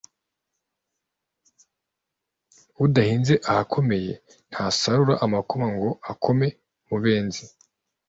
udahinze ahakomeye ntasarura amakoma ngo akome mu benzi